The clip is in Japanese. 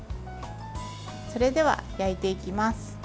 それでは焼いていきます。